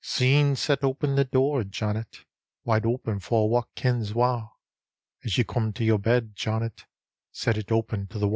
Syne set open the door, Janet, — Wide open for wha kens wha: As ye come to your bed, Janel^ Set it open to the wa'."